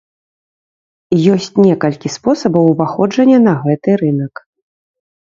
Ёсць некалькі спосабаў уваходжання на гэты рынак.